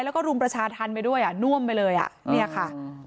แล้วก็รุมประชาธรรมไปด้วยอ่ะน่วมไปเลยอ่ะเนี่ยค่ะ